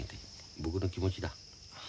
僕の気持ちだ。